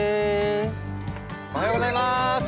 おはようございまーす。